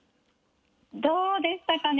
どうでしたかね。